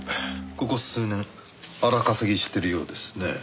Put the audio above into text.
ここ数年荒稼ぎしてるようですね。